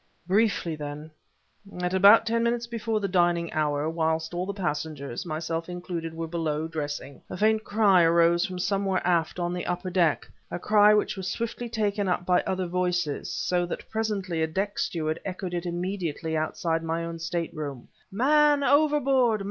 Briefly, then, at about ten minutes before the dining hour, whilst all the passengers, myself included, were below, dressing, a faint cry arose from somewhere aft on the upper deck a cry which was swiftly taken up by other voices, so that presently a deck steward echoed it immediately outside my own stateroom: "Man overboard!